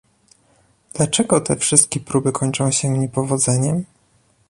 Dlaczego te wszystkie próby kończą się niepowodzeniem?